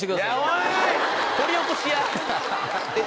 おい！